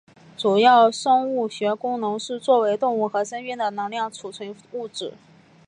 主要生物学功能是作为动物和真菌的能量储存物质。